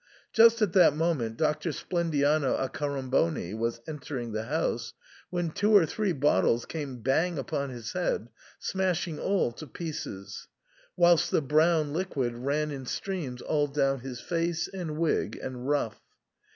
Just at this moment Doctor Splendiano Ac coramboni was entering the house, when two or three bottles came bang upon his head, smashing all to pieces, whilst the brown liquid ran in streams all down his face, and wig, and ruff.